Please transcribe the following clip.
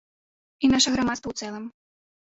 І наша грамадства ў цэлым.